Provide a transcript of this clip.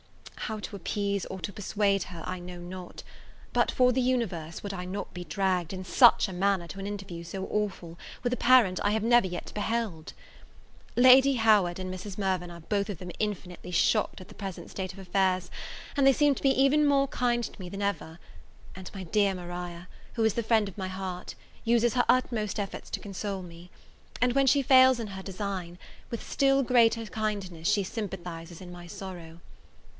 How to appease or to persuade her, I know not; but for the universe would I not be dragged, in such a manner, to an interview so awful, with a parent I have never yet beheld! Lady Howard and Mrs. Mirvan are both of them infinitely shocked at the present state of affairs, and they seem to be even more kind to me than ever; and my dear Maria, who is the friend of my heart, uses her utmost efforts to console me; and, when she fails in her design, with still greater kindness she sympathises in my sorrow.